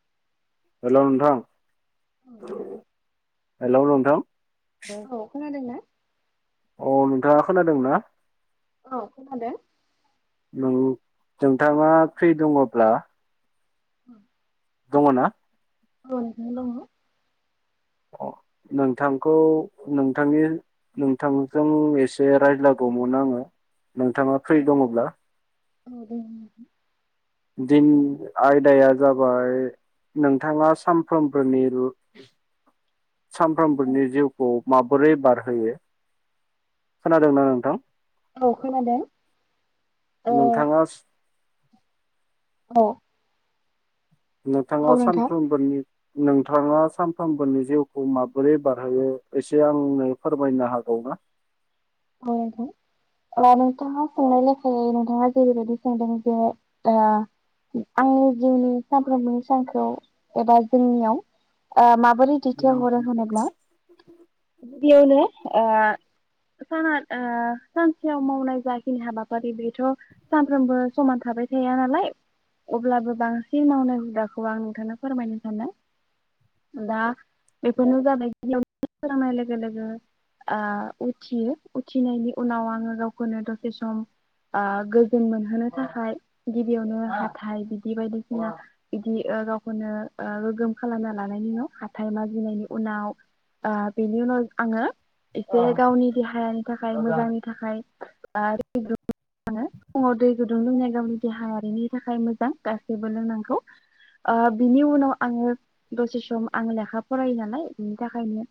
[inaudible] हेल' नोंथां औ [inaudible] हेल' नोंथां औ खोनादों ना? अ नोंथाङा खोनादों ना अ खोनादों नों [unintelligible] नोंथाङा फ्रि दङब्ला [inaudible] ओ दङना औ ओरैनै दं' [inaudible] अ नोंथांखौ नोंथांनि नोंथांजों एसे रायज्लायगौमोन आङो नोंथाङा फ्रि दङब्ला औ दङ नोंथां दिन आयदाया जाबाय नोंथाङा सानफ्रोमबोनि रु- सानफ्रामबोनि जिउखौ माबोरै बारहोयो खोनादोंना नोंथां औ खोनादों ओ नोंथाङा औ नोंथाङा औ नोंथां सानफ्रोमबोनि नोंथाङा सानफ्रोमबोनि जिउखौ माबोरै बारहोयो एसे आंनो फोरमायनो हागौना औ नोंथां अ नोंथाङा सोंनाय लेखायै नोंथाङा जेरैबायदि सोंदों जे आंनि जिउनि सानफ्रोमनि सानखौ एबा जोंनियाव माबोरै दैथायहरो होनोब्ला गिबियावनो ओ साना सानसेयाव मावनाय जाखिनि हाबाफारि बेथ' सानफ्रोमबो समान थाबाय थाया नालाय अब्लाबो बांसिन मावनाय हुदाखौ आं नोंथांनो फोरमायनो सानदों दा बेफोरनो जाबाय गिबियाव सोरांनाय लोगो लोगो उथियो उथिनायनि उनाव आङो गावखौनो दसे सम ओ गोजोन मोनहोनो थाखाय गिबियावनो हाथाइ बिदि बायदिसिना बिदि ओ गावखौनो ओ गोगोम खालामना लानायनि उनाव ओ हाथाइ माजिनायनि उनाव बेनि उनाव आङो एसे गावनि देहायानि थाखाय मोजांनि थाखाय दै दुंब्रुद फुङाव दै गुदुं लोंनाया गावनि देहायारिनि थाखाय मोजां गासैबो लोंनांगौ ओ बिनि उनाव आङो दसे सम आं लेखा फरायो नालाय बिनि थाखायनो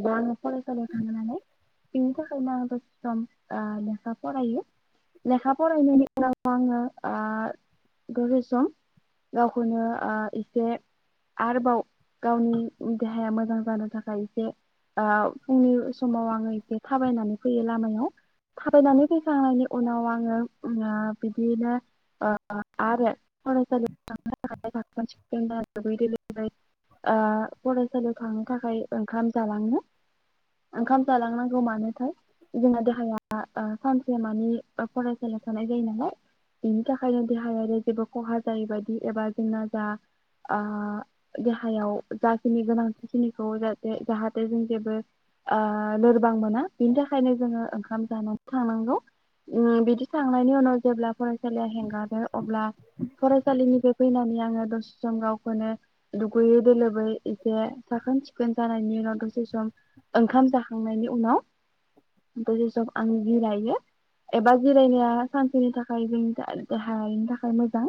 एबा आङो फरायसालियाव थाङो नालाय बिनि थाखायनो आं दसे सम ओ लेखा फरायो लेखा फरायनायनि उनाव आङो ओ दसे सम गावखौनो ओ एसे आरोबाव गावनि देहाया मोजां जानो थाखाय एसे ओ फुंनि समाव आङो एसे थाबायनानै फैयो लामायाव थाबायनानै फैखांनायनि उनाव आङो ओ बिदिनो आरो फरायसालियाव थांनो थाखाय साखोन सिखोन बा दुगै लोबै ओ फरायसालियाव थांनो थाखाय ओंखाम जालाङो ओंखाम जालांनांगौ मानो- जोंना देहाया ओ मानि बा फरायसालियाव थानाय जायो नालाय बेनि थाखायनो देहायारि जेबो खहा जायैबायदि एबा जोंना जा ओ देहायाव जाखिनि गोनांथिखिनिखौ जाहाथे जाहाथे जों जेबो ओ लोरबां मोना बिनि थाखायनो जोङो ओंखाम जानानै थानांगौ। उ बिदि थांनायनि उनाव जेब्ला फरायसालिया हेंगारदों अब्ला फरायसालिनि फैनानै आङो दसे सम गावखौनो दुगैै द लोबै एसे साखोन सिखोन जानायनि उनाव दसे सम ओंखाम जाखांनायनि उनाव दसे सम आं जिरायो एबा जिरायनाया सानसेनि थाखाय जोंनि देहायनि थाखाय मोजां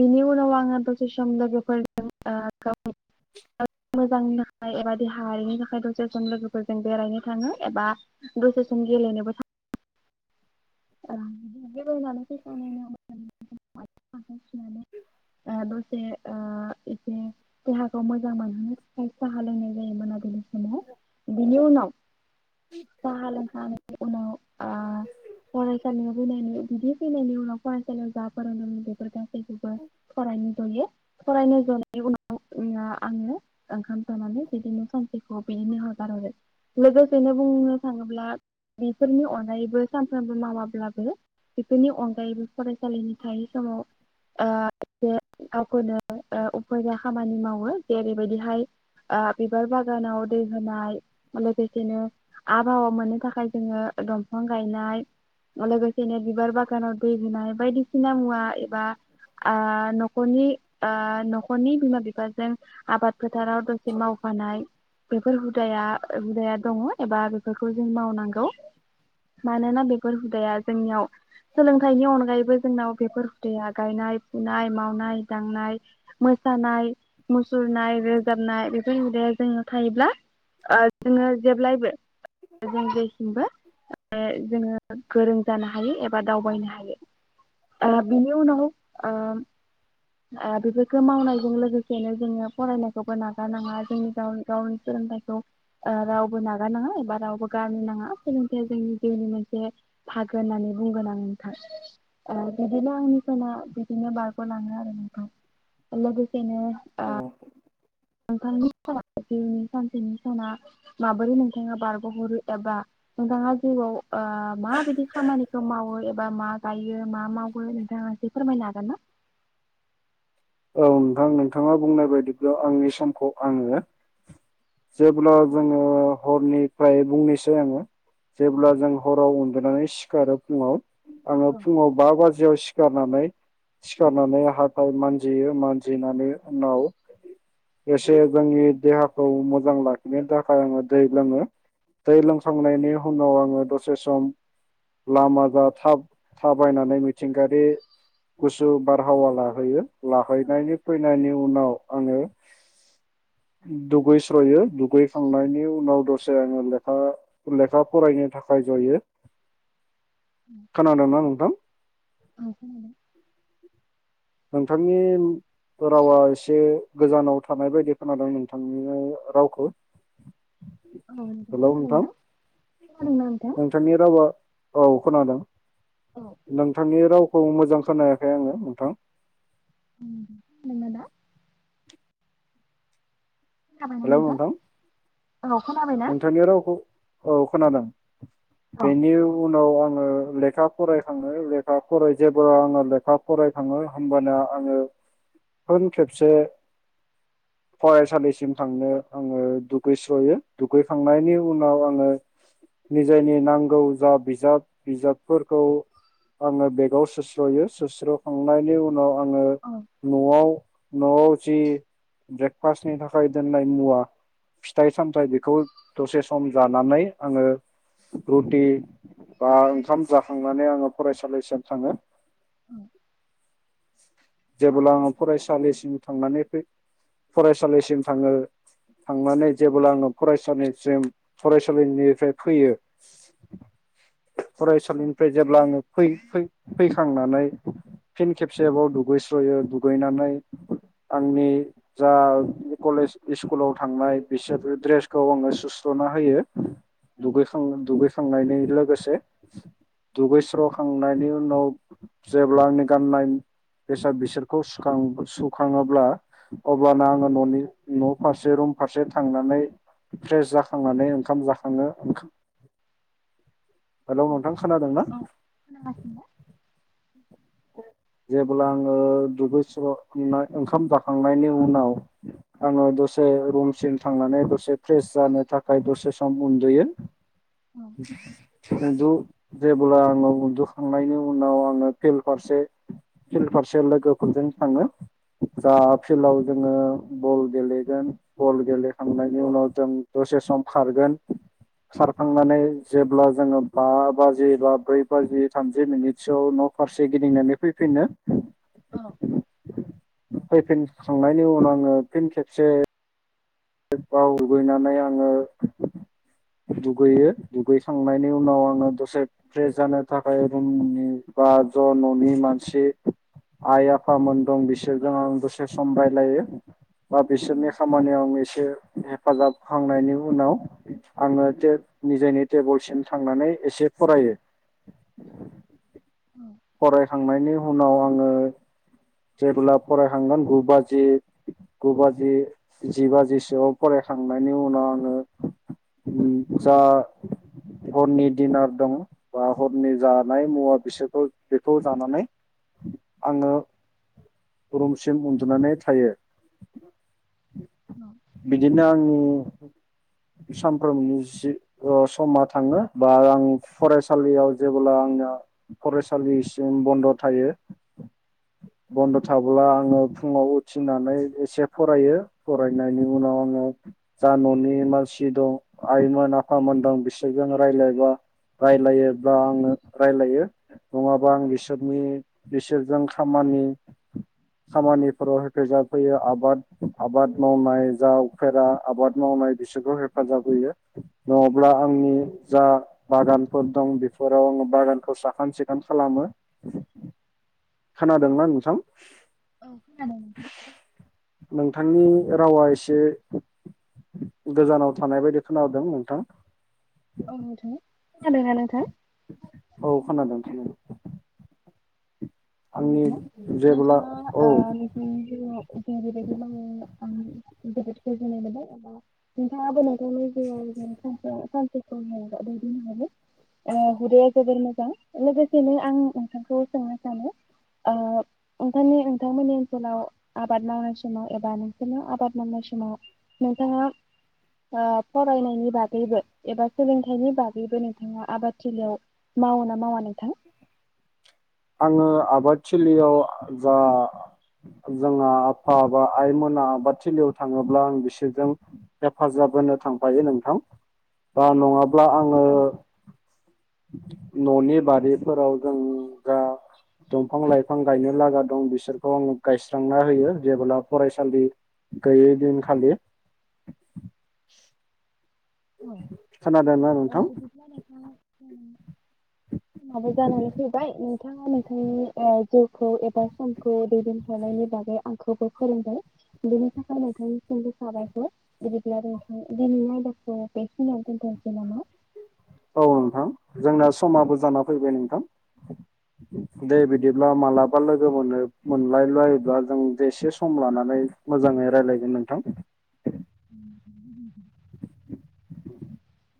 बिनि उनाव आङो दसे सम लोगोफोरजों [inaudible] मोजांनि थाखाय एबा देहायारिनि थाखाय दसे सम लोगो फोरजों बेरायनो थाङो एबा दसे सम गेलेनोबो थाङो। आ बेरायनानै फैखांनायनि उनाव आथें आखाय सुना दसे ओ एसे देहाखौ मोजां मोनहोनो थाखाय साहा लोंयनाय जायो मोनाबिनि समाव बिनि उनाव साहा लोंखांनाय उनाव आ फसालियाव बनायनो बिदि फैनायनि उनाव फरायसालियाव जा फोरोंदों बेफोर गासैखौबो फरायनो जायो फरायनो जानायनि उनाव आङो ओंखाम जानानै बिदिनो सानसेखौ बिदिनो हगार हरो लोगोसेनो जों बुंनो थाङोब्ला बेफोरनि अनगायैबो सानसे खबो मावाब्लाबो बेफोरनि अनगायैबो फरायसालिनि थायै समाव ओ एसे गावखौनो उफेरा खामानि मावो जेरै बायदिहाय ओ बिबार बागानाव दै होनाय लोगोसेनो आबहावा मोननो थाखाय जोङो दंफां गायनाय लोगोसेनो बिबार बागानाव दै लुनाय बायदिसिना मुवा एबा ओ न'खरनि ओ न'खरनि बिमा बिफाजों आबाद फोथाराव दसे मावफानाय बेफोर हुदाया हुदाया दङ एबा बेफोरखौ जों मावनांगौ मानोना बे बेफोर हुदाया जोंनियाव सोलोंथाइनि अनगायैबो जोंनाव बेफोर हुदाया गायनाय फुनाय मावनाय दांनाय मोसानाय मुसुरनाय रोजाबनाय बेफोर हुदाया जोंनाव थायोब्ला ओ जोङो जेब्लायबो जों जेथिंबो ओ जोङो गोरों जानो हायो एबा दावबायनो हायो ओ बिनि उनाव ओ ओ बेफोरखौ मावनायजों लोगोसेनो जोङो फरायनायखौबो नागारनाङा जोंनि गाव गावनि सोलोंथाइखौ ओ रावबो नागारनाङा एबा रावबो गारनो नाङा सोलोंथाइया जोंनि जिउनि मोन से भागो होननानै बुंगोन आं नोंथां ओ बिदिनो आंनि समा बिदिनो बारग'लाङो आरो नोंथां लोगोसेनो औ ओ नोंथांनि जिउनि सानसेनि साना माबोरै नोंथाङा बारग'हरो एबा नोंथाङा जिउआव ओ माबायदि खामानिखौ मावो ए बा मा गायो यो मा मावो नोंथाङा एसे फोरमायनो हागोन ना? औ नोंथां नोंथाङा बुंनाय बायदिब्ला आंनि समखौ आङो जेब्ला जोङो हरनिफ्राय बुंनोसै आङो जेब्ला जों हराव उन्दुनानै सिखारो फुङाव आङो औ फुङाव बा बाजियाव सिखारो सिखारनानै सिखारनानै हाथाय मानज जियो मानजिनायनि उनाव एसे जोंनि देहाखौ मोजां लाखिनो थाखाय आङो दै लोङो दै लोंखांनायनि उनाव आङो दसे सम लामा जा थाब-थाबायनानै मिथिंगायारि गुसु बारहावा लाहैयो। औ लाहैनायनि फैनायनि उनाव आङो दुगैस्रयो दुगैखांनायनि उनाव दसे आङो लेखा लेखा फरायनो थाखाय जयो। खोनादों ना नोंथां? औ खोनादों नोंथांनि रावा एसे गोजानाव थानाय बायदि खोनादों नोंथांनि रावखौ औ नोंथां हेलौ नोंथां खोनादोंना खोनादोंना नोंथां? नोंथांनि रावा औ खोनादों। औ नोंथांनि राव खौ मोजां खोनायाखै आङो नोंथां। [inaudible] हेलौ नोंथां औ खोनाबायना? नोंथांनि रावखौ औ खोनादों औ बेनि उ नाव आङो लेखा फरायखाङो लेखा फराय जेब्ला आङो लेखा फरायखाङो होमबाना आङो फिन खेबसे फरायसालिसिम थांनो आङो दुगैस्र'यो दुगैखांनायनि उनाव आङो निजायनि नांगौ जा बिजाब बिजाबफोरखौ आङो बेगाव सोस्र'यो सोस्र'खांनायनि उनाव आङो औ न'आव न'आव जि ब्रेकफास्टनि था खाय दोननाय मुवा फिथाइ सामथाइ बेखौ दसे सम जानानै आङो रुटि बा ओंखाम जाखांनानै आङो फरायसालिसिम थाङो औ जेब्ला आङो फरायसालिम थांनानै फै फसालिसिम आङो थांनानै जेब्ला आङो फरायसालिसिम फरायसालिनिफ्राय फैयो औ फरायसालिनिफ्राय जेब्ला आङो फै-फै-फैखांनानै फिन खेबसेबाव दुगैस्र'यो दुगैनानै आंनि जा कलेज इस्कुलाव थांनाय बिसोरनि ड्रेसखौ आङो सुस्र'ना होयो औ दुगैखां दुगैखां खांनायनि लोगोसे दुगैस्र'खांनायनि उनाव जेब्ला आंनि गाननाय बेसाद बिसोरखौ सुखां सुखाङोब्ला अब्लाना आङो न'नि न' फारसे रुम फारसे थांनानै फ्रेस जाखांनानै ओंखाम जाखाङो ओंखा- हेलौ नोंथां खोनादों ना औ खोनागासिनो जेब्ला आङो दुगैस्र ओंखाम जाखांनायनि उनाव आङो दसे रुमसिम थांनानै दसे फ्रेस जानो थाखाय दसे सम उन्दुयो औ उन्दु जेब्ला आङो उन्दुखांनायनि उनाव आङो फिल फारसे फिल्ड फारसे लोगोफोरजों थाङो जा फिल्डआव जोङो बल गेलेगोन बल गेलेखांनायनि उनाव जों दसे सम खारगोन खारखांनानै जेब्ला जोङो बा बाजि बा ब्रै बाजि थामजि मिनिटसोआव न'फारसे एसे गिदिंनानै फैफिनो औ फैफिनखांनायनि उनाव आङो फिन खेबसे आव दुगैनानै आङो दुगैयो दुगैखांनायनि उनाव आङो दसे फ्रेस जानो थाखाय रुमनि बा ज' न'नि मानसि आइ आफामोन दं बिसोरजों आं दसे सम रायलायो बा औ बिसोरनि खामानियाव हेफाजाब होखांनायनि उनाव आङो टे निजेनि टेबोलसिम थांनानै एसे फरायो फरायखांनायनि उनाव आङो जेब्ला फरायखांगोन गु बाजि गु बाजि जि बाजिसोआव फरायखांनायनि उनाव आङो जा हरनि डिनार दं बा हरनि जानाय मुवा बिसोरखौ बेखौ जानानै आङो रुमसिम उन्दुनानै थायो औ बिदिनो आंनि- सानफ्रोमनि जि समा थाङो बा आं फरायसालियाव जेब्ला आंना फरायसालिसिम बन्द' थायो बन्द' थाब्ला आङो फुङाव उथिनानै एसे फरायो फरायनायनि उनाव आङो जा न'नि मानसि दं आइमोन आफामोन दं बिसोरजों रायलायबा रायलायोब्ला आङो रायलायो नङाबा आं बिसोरनि बिसोरजों खमानि खामानिफोराव हेफाजाब होयो आबाद-आबाद मावनाय जा उफेरा आबाद मावनाय बिसोरखौ हेफाजाब होयो नङाब्ला आंनि जा बागानफोर दं बेफोराव बागानखौ साखोन सिखोन खालामो खोनादोंना नोंथां? औ खोनादों नोंथांनि रावा एसे गोजानाव थानाय बायदि खोनादों नोंथां औ नोंथां खोनादोंना नोंथां औ खोनादों नोंथां औ जेब्ला औ [unintelligible] [unintelligible] [unintelligible] [unintelligible] हुदाया जोबोर मोजां लोगोसेनो आं नोंथांखौ सोंनो सानो ओ नोंथांनि नोंथांमोननि ओनसोलाव आबाद मावनाय समाव एबा नोंसोरनो आबाद मावनाय समाव नोंथाङा फरायनायनि बागैबो एबा सोलोंथाइनि बागैबो नोंथाङा आबाद थलियाव मावो ना मावा नोंथां? आङो आबाद थिलियाव जा जोंहा आफा बा आइमोना आबाद थलियाव थाङोब्ला आं बिसोरजों हेफाजाब होनो थांफायो नोंथां नङा- ब्ला आङो औ न'नि बारि फोराव जों- दा दंफां लाइफां गायनो लागा दं बिसोरखौ आङो गायस्रांना होयो जेब्ला फरायसालि गैयै दिनखालि औ खोना- ओ बिदिब्ला नोंथां उम समाबो जानानै फैबाय नोंथाङा नोंथांनि ओ जिउ- खौ एबा समखौ दैदेनहरनायनि बागै आंखौबो फोरोंबाय बेनि थाखाय नोंथांनिसिमबो साबायखर बिदिब्ला नोंथां दिनैनि आयदाखौ बेखिनियाव दोनथ'सै नामा? औ नोंथां जोंना समाबो जाना फैबाय नोंथां दे बिदिब्ला मालाबा लोगो मोनो मोनलायलायोब्ला जों एसे सम लानानै मोजाङै रायलायगोन नोंथां [inaudible]